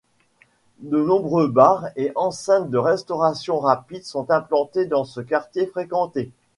De nombreux bars et enseignes de restauration rapide sont implantés dans ce quartier fréquenté.